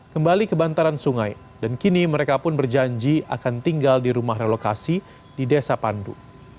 kembali ke bantaran sungai dan kini mereka pun berjanji akan tinggal di rumah relokasi di desa pandu